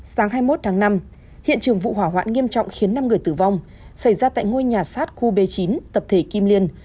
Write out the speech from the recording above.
sáng hai mươi một tháng năm hiện trường vụ hỏa hoạn nghiêm trọng khiến năm người tử vong xảy ra tại ngôi nhà sát khu b chín tập thể kim liên